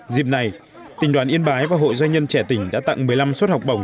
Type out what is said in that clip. dịp này tỉnh đoàn yên bái và hội doanh nhân trẻ tỉnh đã tặng một mươi năm suất học bổng